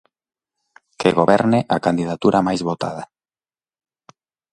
Que goberne a candidatura máis votada.